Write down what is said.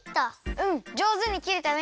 うんじょうずにきれたね。